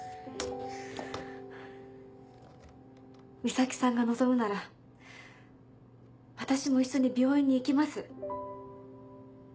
岬さんが望むなら私も一緒に病院に行きます。